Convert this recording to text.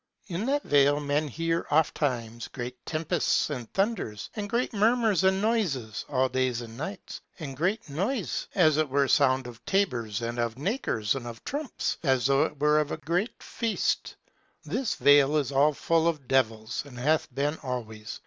In that vale hear men often time great tempests and thunders, and great murmurs and noises, all days and nights, and great noise, as it were sound of tabors and of nakers and of trumps, as though it were of a great feast. This vale is all full of devils, and hath been always.